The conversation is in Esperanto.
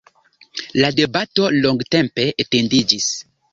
La debato longatempe etendiĝis.